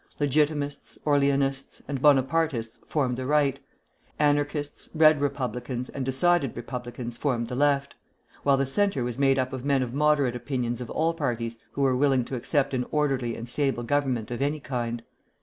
Legitimists, Orleanists, and Bonapartists formed the Right; Anarchists, Red Republicans, and decided Republicans formed the Left; while the Centre was made up of men of moderate opinions of all parties who were willing to accept an orderly and stable government of any kind.